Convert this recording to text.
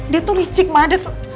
dia tuh licik mbak